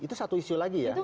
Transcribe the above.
itu satu isu lagi ya